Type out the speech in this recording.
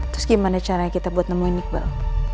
terus gimana caranya kita buat nemuin iqbal